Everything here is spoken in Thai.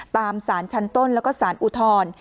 ตามสารชั้นต้นแล้วก็สารอุทธรณ์